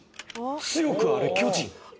強くあれ巨人。